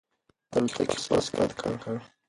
الوتکې خپل سرعت کم کړ.